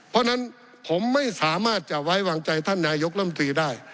เพราะฉะนั้นผมไม่สามารถจะไว้วางใจท่านนายกรรมตรีได้